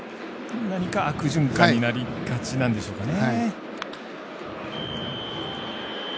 何か悪循環になりがちなんでしょうかね。